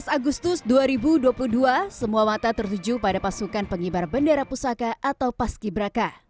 tujuh belas agustus dua ribu dua puluh dua semua mata tertuju pada pasukan pengibar bendera pusaka atau paski braka